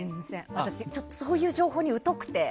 私、そういう情報にうとくて。